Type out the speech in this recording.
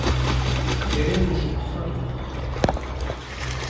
Veremos o que fan.